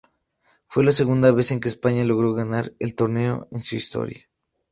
Fue la segunda vez en que España logró ganar el torneo en su historia.